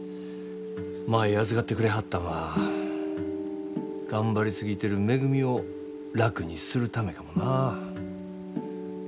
舞預かってくれはったんは頑張り過ぎてるめぐみを楽にするためかもな。